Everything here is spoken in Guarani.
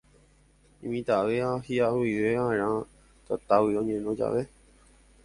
Imitãvéva hiʼag̃uivevaʼerã tatágui oñeno jave.